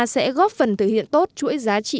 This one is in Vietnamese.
sẽ góp phần thể hiện tốt chuỗi giá trị